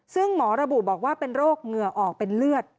ซึ่งหมอระบุบอกว่าเป็นโรคเหงื่อออกเป็นเลือด